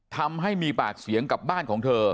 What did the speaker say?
ทำให้มีปากเสียงกับบ้านของเธอ